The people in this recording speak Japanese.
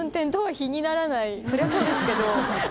そりゃそうですけど。